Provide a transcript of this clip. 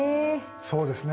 そうですね